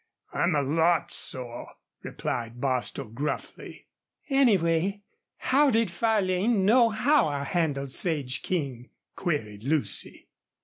"I'm a lot sore," replied Bostil, gruffly. "Anyway, how did Farlane know how I handled Sage King?" queried Lucy.